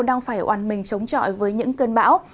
đang phải oàn mình chống chọi với những cơn bão